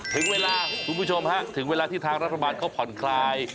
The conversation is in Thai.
ถึงเวลาคุณผู้ชมฮะถึงเวลาที่ทางรัฐบาลเขาผ่อนคลาย